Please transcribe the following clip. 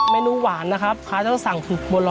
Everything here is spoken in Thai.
เมนูหวานนะครับข้าจะต้องสั่งคือโบรอยมะพร้าวอ่อนครับ